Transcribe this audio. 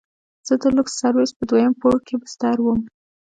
زه د لوکس سرويس په دويم پوړ کښې بستر وم.